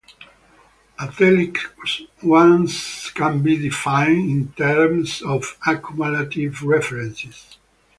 Atelic ones can be defined in terms of cumulative reference.